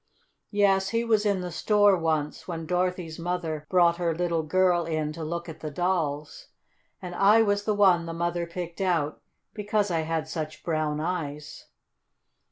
"Yes, he was in the store once, when Dorothy's mother brought her little girl in to look at dolls, and I was the one the mother picked out because I had such brown eyes."